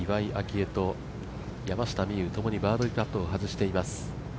愛と山下美夢有、ともにバーディーパットを外しています。